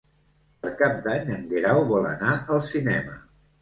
Per Cap d'Any en Guerau vol anar al cinema.